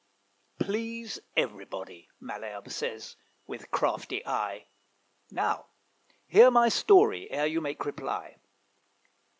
"Please everybody!" Malherbe says, with crafty eye, "Now hear my story ere you make reply.